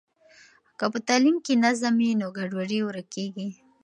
که په تعلیم کې نظم وي نو ګډوډي ورکیږي.